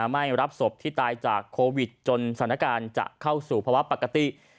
ไม่รับศพที่ตายจากโควิดจนสถานการณ์จะเข้าสู่ภาวะปกติ